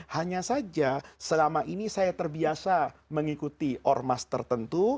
hanya saja selama ini saya terbiasa mengikuti ormas tertentu